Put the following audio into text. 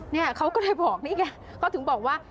เนี่ยเขาก็เลยบอกนี่ไงเขาถึงบอกว่า